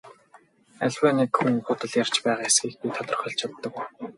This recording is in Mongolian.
Аливаа нэг хүн худал ярьж байгаа эсэхийг би тодорхойлж чаддаг уу?